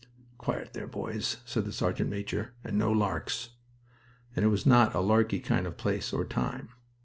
"Quiet there, boys," said the sergeant major. "And no larks." It was not a larky kind of place or time.